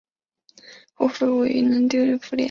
后恢复为云南提督府衙门。